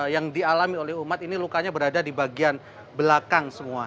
yang dialami oleh umat ini lukanya berada di bagian belakang semua